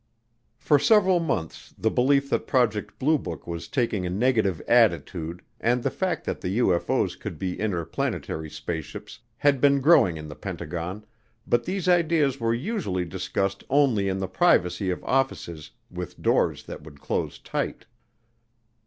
For several months the belief that Project Blue Book was taking a negative attitude and the fact that the UFO's could be interplanetary spaceships had been growing in the Pentagon, but these ideas were usually discussed only in the privacy of offices with doors that would close tight.